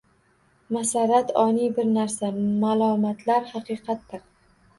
Masarrat oniy bir narsa, malomatlar haqiqatdir